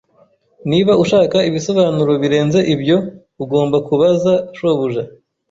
Niba ushaka ibisobanuro birenze ibyo, ugomba kubaza shobuja.